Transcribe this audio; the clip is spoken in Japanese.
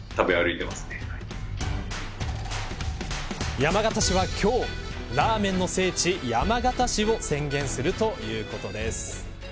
山形市は今日ラーメンの聖地、山形市を宣言するということです。